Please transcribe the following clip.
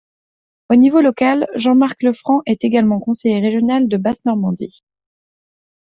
Au niveau local, Jean-Marc Lefranc est également conseiller régional de Basse-Normandie.